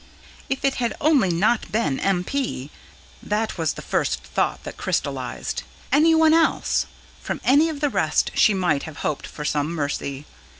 If it had only not been M. P.! that was the first thought that crystallised. Anyone else! ... from any of the rest she might have hoped for some mercy.